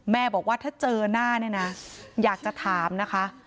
บอกว่าถ้าเจอหน้าเนี่ยนะอยากจะถามนะคะ